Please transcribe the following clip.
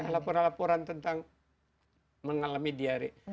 laporan laporan tentang mengalami diare